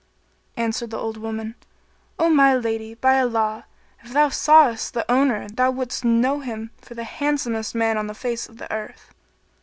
Answered the old woman, "O my lady, by Allah! if thou sawest its owner thou wouldst know him for the handsomest man on the face of the earth."